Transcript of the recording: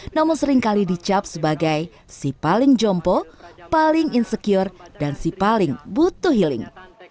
namun seringkali dicap sebagai si paling jompo paling insecure dan si paling butuh healing